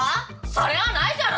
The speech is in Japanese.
それはないじゃろ！